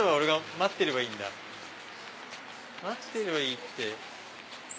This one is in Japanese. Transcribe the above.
待ってればいいって。